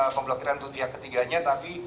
pemblokiran untuk pihak ketiganya tapi